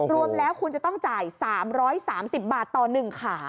รวมแล้วคุณจะต้องจ่าย๓๓๐บาทต่อ๑ขา